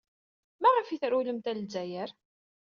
Maɣef ay trewlemt ɣer Lezzayer?